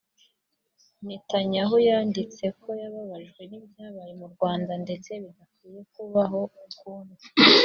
Netanyahu yanditse ko yababajwe n’ibyabaye mu Rwanda ndetse bidakwiye kuba ukundi